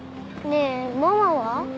ねえママは？